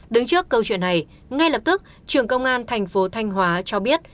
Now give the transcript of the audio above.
đứng trước câu chuyện này ngay lập tức trường công an tp thanh hóa cho biết